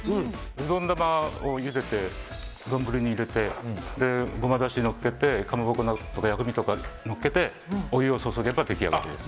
うどん玉をゆでて丼に入れて、ごまだしをのっけてかまぼこや薬味をのっけてお湯を注げば出来上がりです。